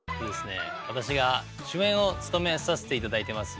私が主演を務めさせて頂いてます